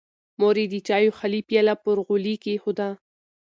مور یې د چایو خالي پیاله پر غولي کېښوده.